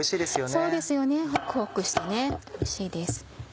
そうですよねホクホクしておいしいです。